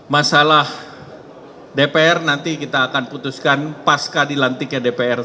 masalah dpr nanti kita akan putuskan pasca dilantiknya dpr